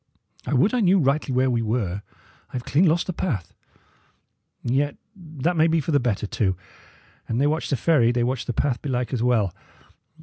I would I knew rightly where we were. I have clean lost the path; yet that may be for the better, too. An they watch the ferry, they watch the path, belike, as well.